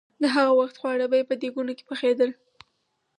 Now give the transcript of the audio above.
د هغه وخت خواړه به په دېګونو کې پخېدل.